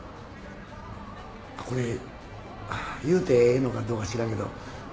これ言うてええのかどうか知らんけど。